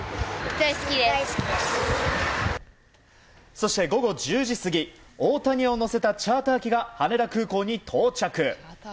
そして午後１０時過ぎ大谷を乗せたチャーター機が羽田空港に到着。